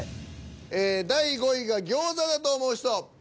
第５位が餃子だと思う人。